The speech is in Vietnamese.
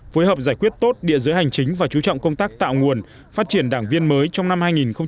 phối hợp giải quyết tốt địa dưới hành chính và chú trọng công tác tạo nguồn phát triển đảng viên mới trong năm hai nghìn một mươi chín